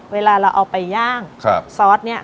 เวลาเราเอาไปย่างซอสเนี่ย